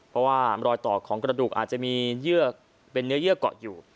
เพราะว่ารอยต่อของกระดูกอาจจะมีเนื้อเกาะอยู่